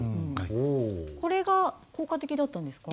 これが効果的だったんですか？